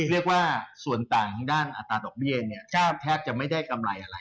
เรียกว่าส่วนต่างทางด้านอัตราดอกเบี้ยเนี่ยแทบจะไม่ได้กำไรอะไร